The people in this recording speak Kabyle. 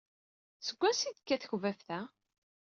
Seg wansi ay d-tekka tekbabt-a?